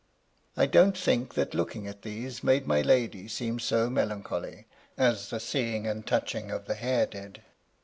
I don't think that looking at these made my lady seem so melancholy, as the seeing and touching of the hair did.